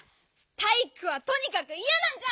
たいいくはとにかくいやなんじゃ！